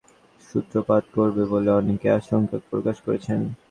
তাঁর পরিকল্পনা ভবিষ্যতে সমস্যার সূত্রপাত করবে বলে অনেকেই আশঙ্কা প্রকাশ করেছেন।